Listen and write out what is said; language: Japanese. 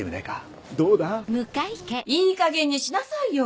いいかげんにしなさいよ！